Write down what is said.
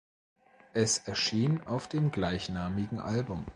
Es erschien auf dem gleichnamigen Album.